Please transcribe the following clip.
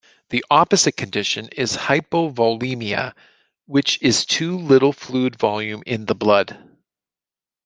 The opposite condition is hypovolemia, which is too little fluid volume in the blood.